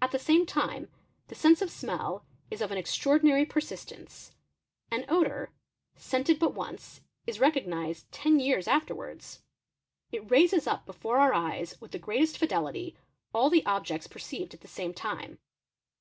At the same time, the sense of smell is of an extraordinary persistence. An odour, scented but once, is recognised ten years after wards; it raises up before our eyes with the greatest fidelity all th objects perceived at the same time.